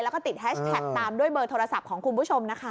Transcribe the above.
แล้วก็ติดแฮชแท็กตามด้วยเบอร์โทรศัพท์ของคุณผู้ชมนะคะ